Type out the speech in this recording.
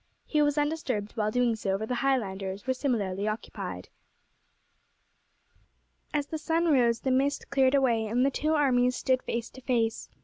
He was undisturbed while doing so, for the Highlanders were similarly occupied. As the sun rose the mist cleared away, and the two armies stood face to face.